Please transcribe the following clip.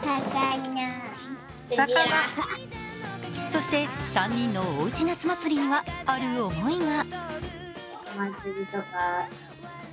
そして、３人のおうち夏祭りにはある思いが。